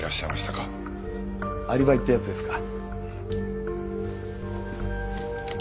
アリバイってやつですか？